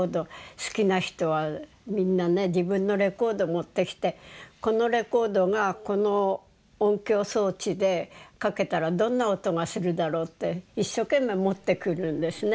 好きな人はみんなね自分のレコード持ってきてこのレコードがこの音響装置でかけたらどんな音がするだろうって一生懸命持ってくるんですね。